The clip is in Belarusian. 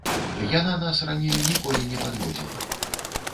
Яна нас раней ніколі не падводзіла.